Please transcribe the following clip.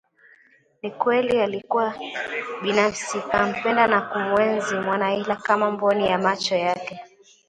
Ni kweli alikuwa binafsi kampenda na kumuenzi Mwanahila kama mboni ya macho yake